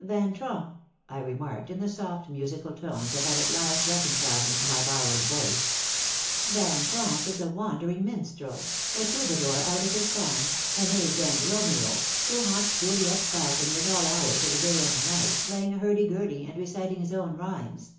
"Van Tromp," I remarked, in the soft musical tones that had at last reconciled me to my borrowed voice, "Van Tromp is a wandering minstrel, a troubadour out of his time, an age end Romeo, who haunts Juliet's balcony at all hours of the day and night playing a hurdy gurdy and reciting his own rhymes.